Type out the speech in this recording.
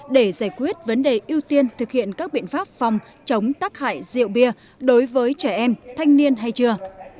để giải quyết vấn đề ưu tiên thực hiện các biện pháp phòng chống tắc hại rượu bia đối với trẻ em thanh niên hay chưa